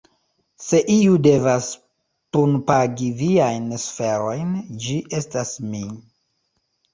Se iu devas punpagi viajn suferojn, ĝi estas mi.